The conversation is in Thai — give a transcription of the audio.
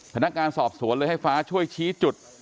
พนักงานสอบสวนเลยให้ฟ้าช่วยชี้จุด